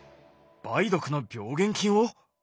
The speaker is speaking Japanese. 梅毒の病原菌を。